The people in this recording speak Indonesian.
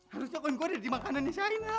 harusnya koin gue ada di makanan shayna kok tidak